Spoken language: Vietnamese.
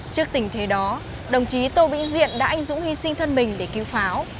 trước tình thế đó đồng chí tô vĩnh diện đã anh dũng hy sinh thân mình để cứu pháo